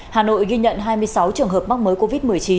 hà nội ghi nhận hai mươi sáu trường hợp mắc mới covid một mươi chín